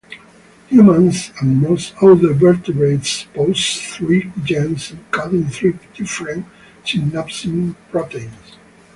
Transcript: Humans and most other vertebrates possess three genes encoding three different synapsin proteins.